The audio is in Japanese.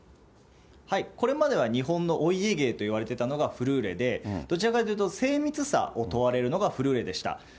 これまでは日本のお家芸といわれていたのがフルーレで、どちらかというと、精密さを問われるのがフルーレでした。